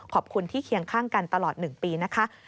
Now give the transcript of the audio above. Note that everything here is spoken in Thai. ขอบคุณที่เคียงข้างกันตลอด๑ปีนะคะ